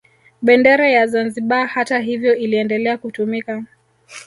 Bendera ya Zanzibar hata hivyo iliendelea kutumika